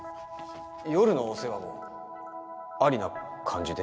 夜のお世話もありな感じで？